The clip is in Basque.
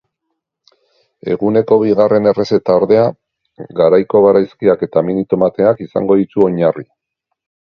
Eguneko bigarren errezeta ordea, garaiko barazkiak eta mini tomateak izango ditu oinarri.